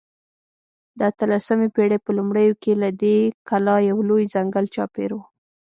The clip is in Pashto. د اتلسمې پېړۍ په لومړیو کې له دې کلا یو لوی ځنګل چاپېر و.